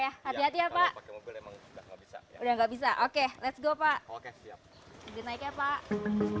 atau tuh ibang arang ketiga waktu tak telfon